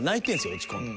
落ち込んで。